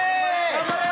頑張れ！